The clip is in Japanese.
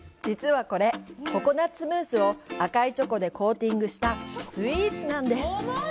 実はこれ、ココナッツムースを赤いチョコでコーティングしたスイーツなんです。